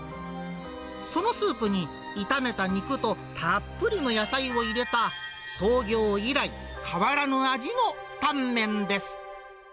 そのスープに炒めた肉とたっぷりの野菜を入れた、創業以来、変わらぬ味のタンメンです。